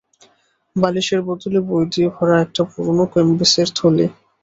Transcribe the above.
বালিশের বদলে বই দিয়ে ভরা একটা পুরোনো ক্যাম্বিসের থলি।